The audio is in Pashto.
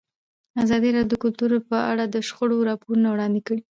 ازادي راډیو د کلتور په اړه د شخړو راپورونه وړاندې کړي.